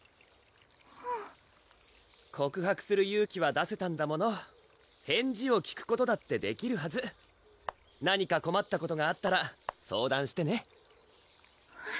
うん告白する勇気は出せたんだもの返事を聞くことだってできるはず何かこまったことがあったら相談してね